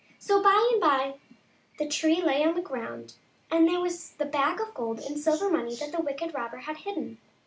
So by and by the tree lay on the ground, and there was the bag of gold and silver money that the wicked robber had hidden.